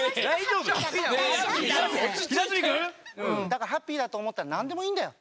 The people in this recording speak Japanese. だからハッピーだとおもったらなんでもいいんだよ。